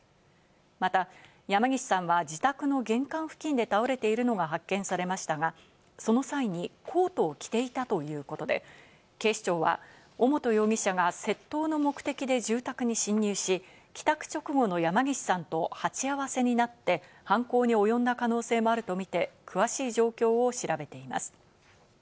また山岸さんは自宅の玄関付近で倒れているのが発見されましたが、その際にコートを着ていたということで警視庁は尾本容疑者が窃盗の目的で住宅に侵入し、帰宅直後の山岸さんと鉢合わせになって犯行におよんだ可能性もあるとみて詳しい状況を調べています。